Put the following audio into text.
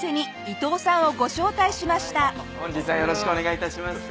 本日はよろしくお願い致します。